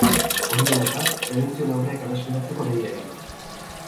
Hori dela eta, prebentzio-neurriak errespetatzeko deia egin du.